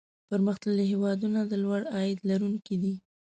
پرمختللي هېوادونه د لوړ عاید لرونکي دي.